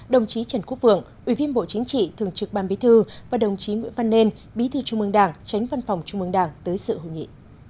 đồng chí trần quốc vượng ủy viên bộ chính trị thường trực ban bí thư và đồng chí nguyễn văn nên bí thư trung mương đảng tránh văn phòng trung mương đảng tới sự hội nghị